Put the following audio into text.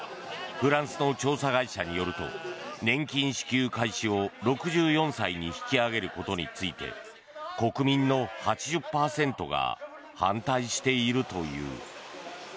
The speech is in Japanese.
フランスの調査会社によると年金支給開始を６４歳に引き上げることについて国民の８０％が反対しているという。